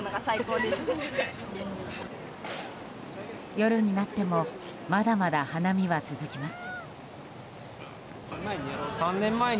夜になってもまだまだ花見は続きます。